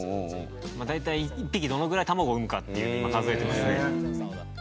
大体１匹どのぐらい卵を産むかっていうのを今数えてますね。